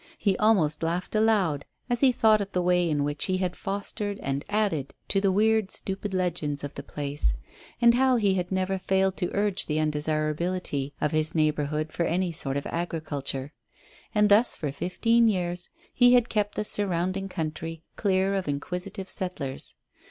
He almost laughed aloud as he thought of the way in which he had fostered and added to the weird, stupid legends of the place, and how he had never failed to urge the undesirability of his neighbourhood for any sort of agriculture. And thus for fifteen years he had kept the surrounding country clear of inquisitive settlers.